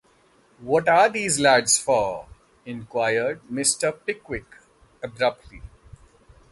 ‘What are these lads for?’ inquired Mr. Pickwick abruptly.